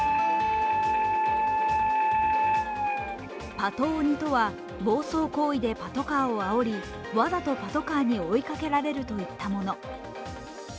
パト鬼とは、暴走行為でパトカーをあおり、わざとパトカーに追いかけられるといったもの。